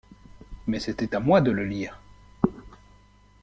Mais c'était à moi de le lire.